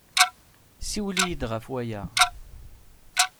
Ssiwel yid-i ɣef waya.